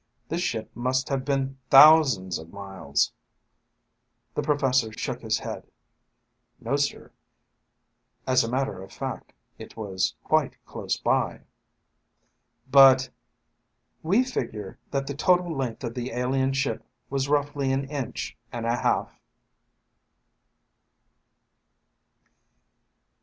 This ship must have been thousands of miles ..." The professor shook his head. "No, sir. As a matter of fact, it was quite close by." "But ..." "We figure that the total length of the alien ship was roughly an inch and a half."